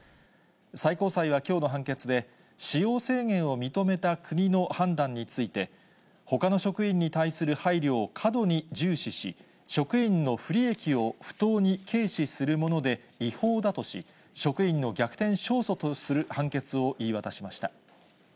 最高裁はきょうの判決で、使用制限を認めた国の判断について、ほかの職員に対する配慮を過度に重視し、職員の不利益を不当に軽視するもので違法だとし、職員の逆転勝訴とする判決を言い渡しました。